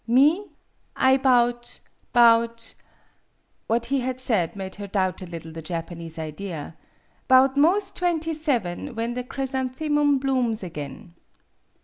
'' Me ? I 'bout 'bout " (what he had said made her doubt a little the Japanese idea) '"bout 'mos' twenty seven when the chrysanthemum blooms again."